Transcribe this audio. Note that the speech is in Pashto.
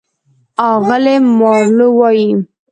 اغلې مارلو وايي: